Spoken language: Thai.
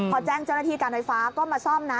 พอแจ้งเจ้าหน้าที่การไฟฟ้าก็มาซ่อมนะ